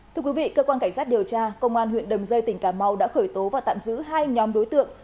thưa quý vị cơ quan cảnh sát điều tra công an huyện đầm dây tỉnh cà mau đã khởi tố và tạm giữ hai nhóm đối tượng